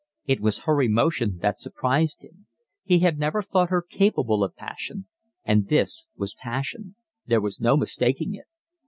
It was her emotion that surprised him. He had never thought her capable of passion, and this was passion: there was no mistaking it.